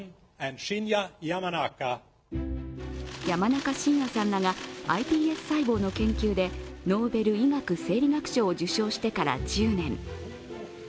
山中伸弥さんらがｉＰＳ細胞の研究でノーベル医学生理学賞を受賞してから１０年。